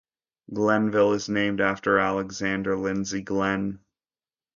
Glenville is named after Alexander Lindsay Glen.